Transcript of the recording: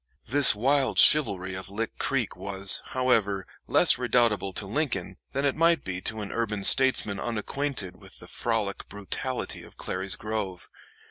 This wild chivalry of Lick Creek was, however, less redoubtable to Lincoln than it might be to an urban statesman unacquainted with the frolic brutality of Clary's Grove.